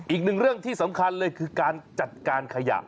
อีกหนึ่งเรื่องที่สำคัญเลยคือการจัดการขยะ